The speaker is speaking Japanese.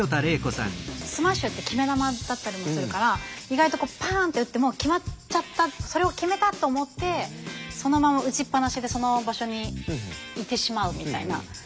スマッシュって決め球だったりもするから意外とこうパンって打ってもう決まっちゃったそれを決めたと思ってそのまま打ちっぱなしでその場所にいてしまうみたいな。